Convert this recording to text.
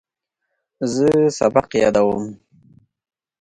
زه سبق یادوم.